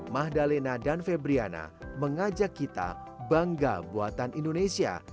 mahdalena dan febriana mengajak kita bangga buatan indonesia